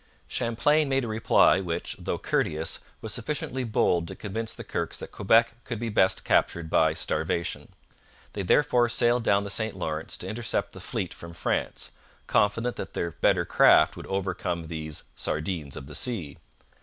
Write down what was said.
Champlain made a reply which, though courteous, was sufficiently bold to convince the Kirkes that Quebec could be best captured by starvation. They therefore sailed down the St Lawrence to intercept the fleet from France, confident that their better craft would overcome these 'sardines of the sea.'